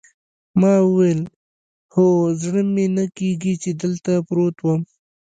ما وویل: هو، زړه مې نه کېږي چې دلته پروت وم.